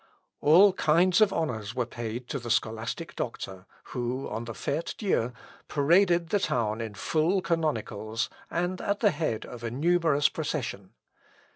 All kinds of honours were paid to the scholastic doctor, who, on the Fête Dieu, paraded the town in full canonicals, and at the head of a numerous procession.